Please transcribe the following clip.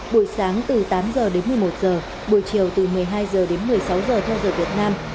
buổi sáng từ tám h đến một mươi một giờ buổi chiều từ một mươi hai h đến một mươi sáu giờ theo giờ việt nam